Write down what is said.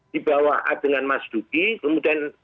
di bawah adegan mas duki kemudian